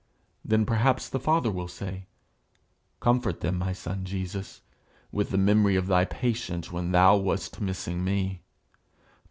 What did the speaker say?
Then perhaps the Father will say, "Comfort them, my son Jesus, with the memory of thy patience when thou wast missing me.